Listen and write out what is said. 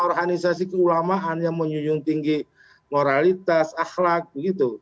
organisasi keulamaan yang menjunjung tinggi moralitas akhlak begitu